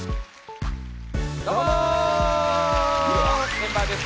メンバーです。